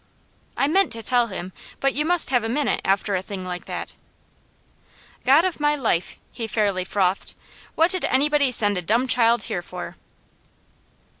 I meant to tell him; but you must have a minute after a thing like that. "God of my life!" he fairly frothed. "What did anybody send a dumb child here for?"